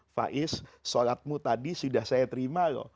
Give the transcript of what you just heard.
faiz sholatmu tadi sudah saya terima loh